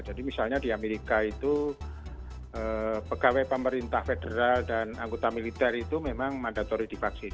jadi misalnya di amerika itu pegawai pemerintah federal dan anggota militer itu memang mandatori di vaksin